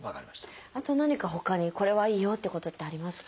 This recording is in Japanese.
あと何かほかにこれはいいよってことってありますか？